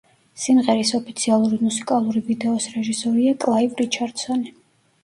სიმღერის ოფიციალური მუსიკალური ვიდეოს რეჟისორია კლაივ რიჩარდსონი.